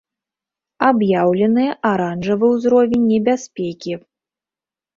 Аб'яўлены аранжавы ўзровень небяспекі.